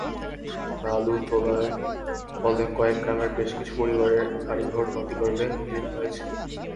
বালু তোলার ফলে কয়েক গ্রামের বেশ কিছু পরিবারের বাড়িঘর নদীগর্ভে বিলীন হয়েছে।